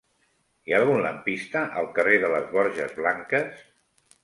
Hi ha algun lampista al carrer de les Borges Blanques?